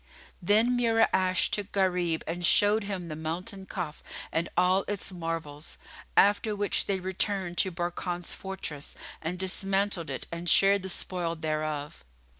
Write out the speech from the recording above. Then Mura'ash took Gharib and showed him the Mountain Kaf and all its marvels; after which they returned to Barkan's fortress and dismantled it and shared the spoil thereof.